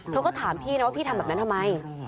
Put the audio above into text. เธอก็ถามพี่นะว่าพี่ทำแบบนั้นทำไม